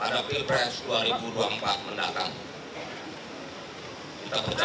harus respect terhadap siapapun